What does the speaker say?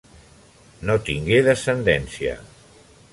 No tingué descendència.